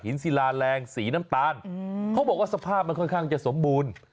ศิลาแรงสีน้ำตาลเขาบอกว่าสภาพมันค่อนข้างจะสมบูรณ์